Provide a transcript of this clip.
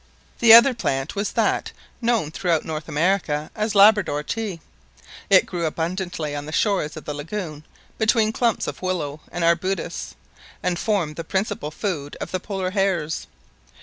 The other plant was that known throughout North America as "Labrador tea;" it grew abundantly on the shores of the lagoon between the clumps of willow and arbutus, and formed the principal food of the Polar hares.